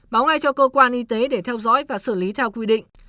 báo ngay cho cơ quan y tế để theo dõi và xử lý theo quy định